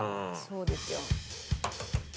そうですよ。